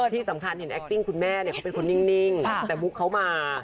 ที่สำคัญเห็นแอคติ้งคุณแม่เขาเป็นคนนิ่งแต่มุกเขามา